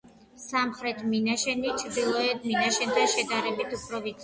სამხრეთ მინაშენი ჩრდ მინაშენთან შედარებით უფრო ვიწროა.